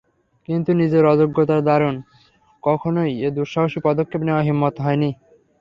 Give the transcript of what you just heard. কিন্তু নিজের অযোগ্যতার দরুন কখনোই এ দুঃসাহসী পদক্ষেপ নেওয়ার হিম্মত হয়নি।